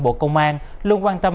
bộ công an luôn quan tâm